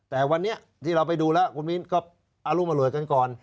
แต่วันนี้ที่เราไปดูแล้วคุณมีนก็เอาลูกมานอกกันก่อน